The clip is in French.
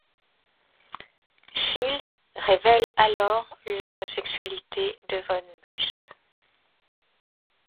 Schill révèle alors l'homosexualité de von Beust.